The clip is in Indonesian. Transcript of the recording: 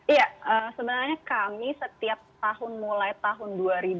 iya sebenarnya kami setiap tahun mulai tahun dua ribu sembilan belas dua ribu dua puluh